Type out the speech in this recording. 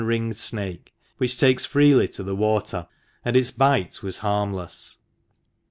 83 ringed snake, which takes freely to the water ; and its bite was harmless.